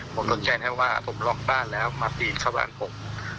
ผมต้องแจ้งให้ว่าผมล็อกบ้านแล้วมาปีนเข้าบ้านผม